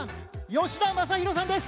吉田昌弘さんです。